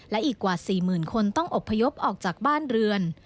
และอีกกว่า๔๐๐๐คนต้องอบพยพออกจากบ้านเรือน